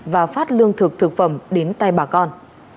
và phát lương thực thực phẩm đến tay bà con